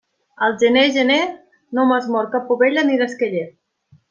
Ah, gener, gener, no m'has mort cap ovella ni l'esqueller.